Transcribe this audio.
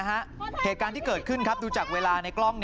เหตุการณ์ที่เกิดขึ้นดูจากเวลาในกล้อง